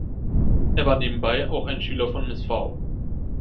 Er war nebenbei auch ein Schüler von Miss Foul.